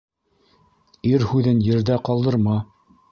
Ир һүҙен ерҙә ҡалдырма.